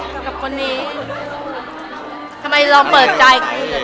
กับคนนี้ทำไมลองเปิดใจ